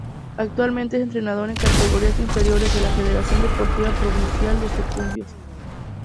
Actualmente es entrenador en categorías inferiores de la Federación Deportiva Provincial de Sucumbíos.